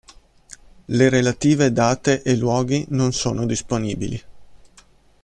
Le relative date e luoghi non sono disponibili.